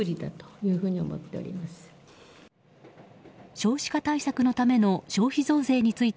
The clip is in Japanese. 少子化対策のための消費増税について